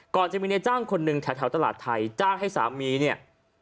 ก่อนจะมีในจ้างคนหนึ่งแถวตลาดไทยจ้างให้สามีเนี่ย